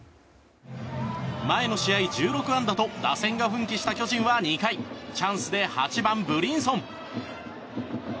前の試合１６安打と打線が奮起した巨人は２回チャンスで８番、ブリンソン。